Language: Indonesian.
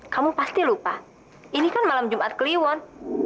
kamu pasti lupa ini kan malam jumat kliwon